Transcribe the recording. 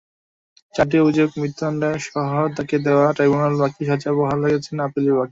চারটি অভিযোগে মৃত্যুদণ্ডাদেশসহ তাঁকে দেওয়া ট্রাইব্যুনালের বাকি সাজা বহাল রেখেছেন আপিল বিভাগ।